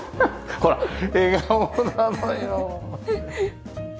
ほら笑顔なのよ。